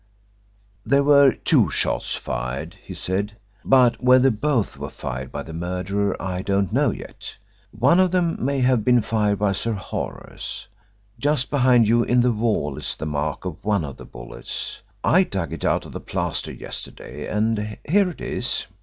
"There were two shots fired," he said, "but whether both were fired by the murderer I don't know yet. One of them may have been fired by Sir Horace. Just behind you in the wall is the mark of one of the bullets. I dug it out of the plaster yesterday and here it is."